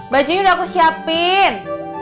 bajunya udah aku siapin